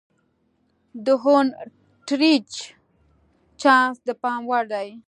د هونټریج چانس د پام وړ دی.